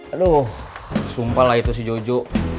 aduh sumpah lah itu si jojo